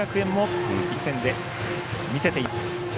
１回戦で見せています。